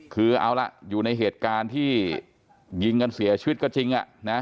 คือเอาล่ะอยู่ในเหตุการณ์ที่ยิงกันเสียชีวิตก็จริง